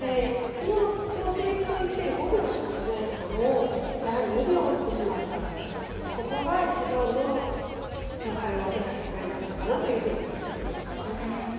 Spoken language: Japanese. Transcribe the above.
いつもの調子でいくと１．５秒しか落ちないところをやはり２秒、落ちてしまったここが一番の勝敗を分けた結果になったかなというふうに思います。